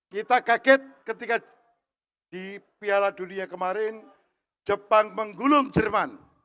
kita kaget ketika di piala dunia kemarin jepang menggulung jerman